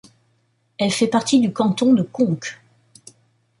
Elle fait partie du canton de Conques.